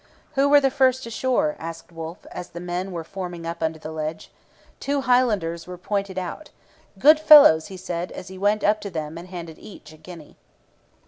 'Who were the first ashore?' asked Wolfe, as the men were forming up under the ledge. Two Highlanders were pointed out. 'Good fellows!' he said, as he went up to them and handed each a guinea.